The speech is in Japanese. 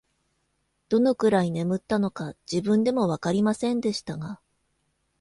どのくらい眠ったのか、自分でもわかりませんでしたが、